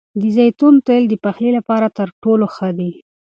د زیتون تېل د پخلي لپاره تر ټولو ښه دي.